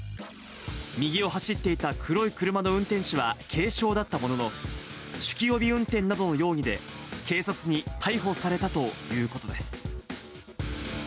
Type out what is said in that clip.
右を走っていた黒い車の運転手は軽傷だったものの、酒気帯び運転などの容疑で、警察に逮捕されたということです。